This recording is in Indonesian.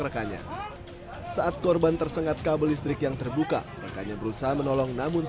rekannya saat korban tersengat kabel listrik yang terbuka rekannya berusaha menolong namun